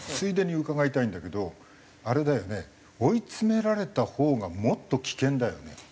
ついでに伺いたいんだけどあれだよね追い詰められたほうがもっと危険だよね。